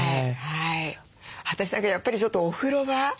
私やっぱりちょっとお風呂場。